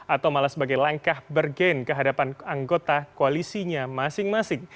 atau malah sebagai langkah bergen ke hadapan anggota koalisinya masing masing